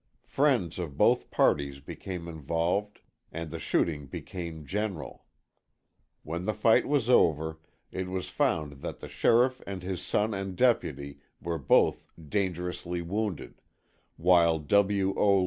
Friends of both parties became involved and the shooting became general. When the fight was over it was found that the sheriff and his son and deputy, were both dangerously wounded, while W. O.